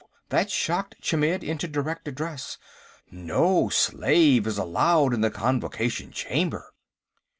That shocked Chmidd into direct address. "No slave is allowed in the Convocation Chamber."